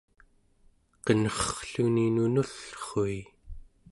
qenerrluni nunullrui